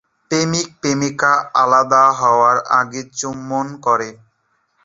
প্রেমিক-প্রেমিকা আলাদা হওয়ার আগে চুম্বন করে।